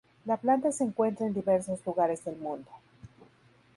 La planta se encuentra en diversos lugares del mundo.